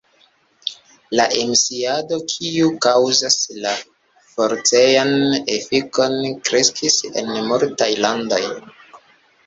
La emisiado kiu kaŭzas la forcejan efikon kreskis en multaj landoj.